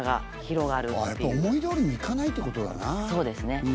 やっぱり思い通りにいかないってことだな。